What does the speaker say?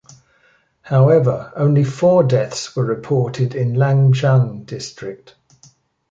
However, only four deaths were reported in Lamjung District.